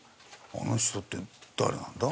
あの人って誰なんだ？